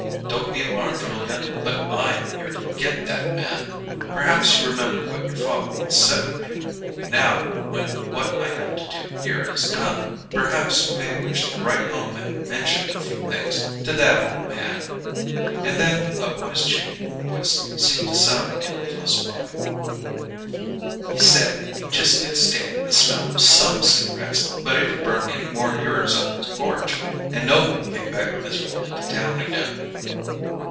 Don't be alarmed, Julia, but I am here to get that man! Perhaps you remember what your father once said of me? Now, when what I have to do here is done, perhaps you may wish to write home and mention a few things to that old man!" And then a boy's changing voice seemed to sound again close by: "He said he just could stand the smell of some cigarettes, but if you burned any more o' yours on his porch " And Noble came back miserably to town again.